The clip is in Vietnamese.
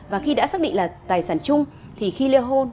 và khi đã xác định là tài sản chung thì khi li hôn